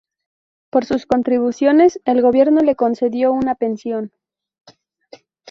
Por sus contribuciones, el gobierno le concedió una pensión.